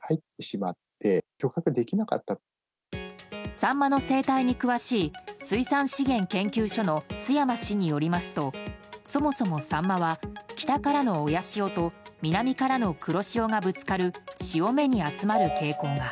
サンマの生態に詳しい水産資源研究所の巣山氏によりますとそもそもサンマは北からの親潮と南からの黒潮がぶつかる潮目に集まる傾向が。